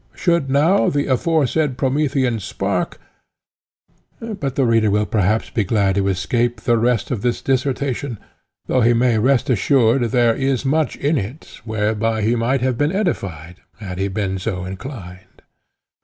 Should now the aforesaid Promethean spark but the reader will perhaps be glad to escape the rest of this dissertation, though he may rest assured there is much in it, whereby he might have been edified, had he been so inclined.